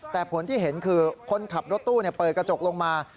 แต่ผลที่เห็นคือคนขับรถตู้เปิดกระจกลงมา